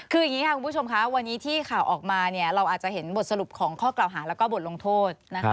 คืออย่างนี้ค่ะคุณผู้ชมค่ะวันนี้ที่ข่าวออกมาเนี่ยเราอาจจะเห็นบทสรุปของข้อกล่าวหาแล้วก็บทลงโทษนะคะ